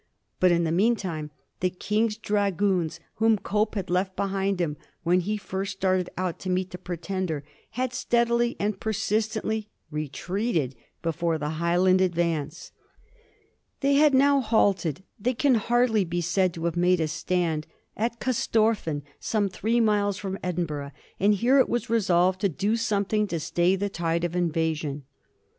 But in the mean time the King's Dragoons, whom Cope had left behind him when he first started out to meet the Pretender, had steadily and persistently re treated before the Highland advance. They had now halted — ^they can hardly be said to have made a stand — at Corstorphine, some three miles from Edinburgh, and here it was resolved to do something to stay the tide of invasion.